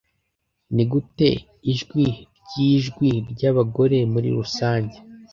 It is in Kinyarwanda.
Nigute ijwi ryijwi ryabagore muri rusange